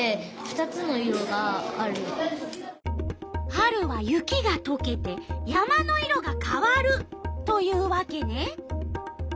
春は雪がとけて山の色が変わるというわけね。